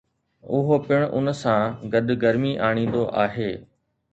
اهو پڻ ان سان گڏ گرمي آڻيندو آهي